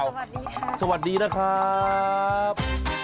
สวัสดีค่ะสวัสดีนะครับ